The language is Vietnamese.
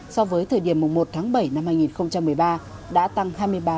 so với thời điểm một tháng bảy năm hai nghìn một mươi ba đã tăng hai mươi ba